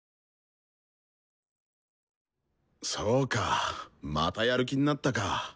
そうかまたやる気になったか。